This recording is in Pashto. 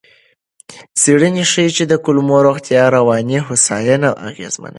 څېړنه ښيي چې کولمو روغتیا رواني هوساینه اغېزمنوي.